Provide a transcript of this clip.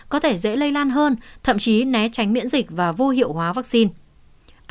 có thể dễ lây lan hơn thậm chí né tránh miễn dịch và vô hiệu hóa vaccine